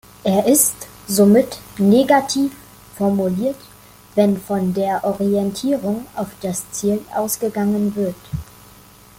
Er ist somit "negativ" formuliert, wenn von der Orientierung auf das Ziel ausgegangen wird.